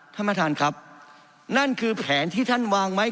ท่านประธานครับนั่นคือแผนที่ท่านวางไว้